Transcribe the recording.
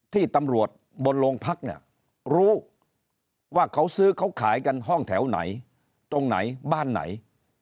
ที่ตำรวจบนโรงพักเนี่ยรู้ว่าเขาซื้อเขาขายกันห้องแถวไหนตรงไหนบ้านไหน